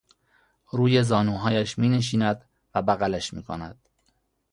روی زانوهایش مینشیند و بغلش میکند